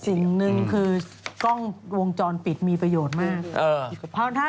สิ่งหนึ่งคือกล้องวงจรปิดมีประโยชน์มาก